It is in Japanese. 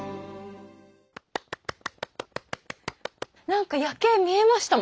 何か夜景見えました